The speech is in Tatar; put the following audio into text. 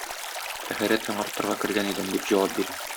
Тәһарәт яңартырга кергән идем, - дип җавап бирә.